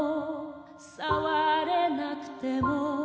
「さわれなくても」